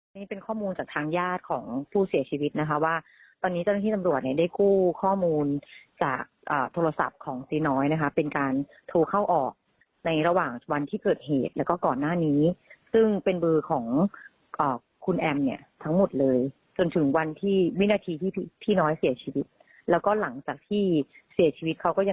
นี่เป็นข้อมูลจากทางญาติของผู้เสียชีวิตนะคะว่าตอนนี้เจ้าหน้าที่ตำรวจเนี่ยได้กู้ข้อมูลจากโทรศัพท์ของซีน้อยนะคะเป็นการโทรเข้าออกในระหว่างวันที่เกิดเหตุแล้วก็ก่อนหน้านี้ซึ่งเป็นเบอร์ของคุณแอมเนี่ยทั้งหมดเลยจนถึงวันที่วินาทีที่พี่น้อยเสียชีวิตแล้วก็หลังจากที่เสียชีวิตเขาก็ยัง